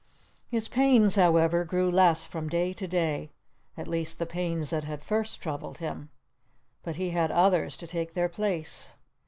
His pains, however, grew less from day to day—at least, the pains that had first troubled him. But he had others to take their place.